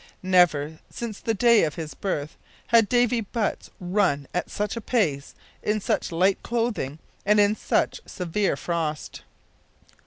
Never, since the day of his birth, had Davy Butts run at such a pace, in such light clothing, and in such severe frost!